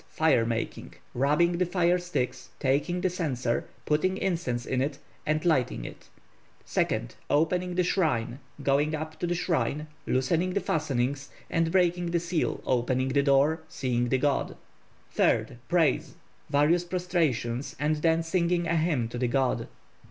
Fire making rubbing the fire sticks, taking the censer, putting incense in it, and lighting it. 2nd. Opening the Shrine going up to the shrine, loosening the fastening, and breaking the seal, opening the door, seeing the god. 3rd. Praise various prostrations, and then singing a hymn to the god.